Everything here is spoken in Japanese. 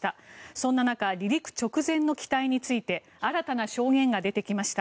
そんな中離陸直前の機体について新たな証言が出てきました。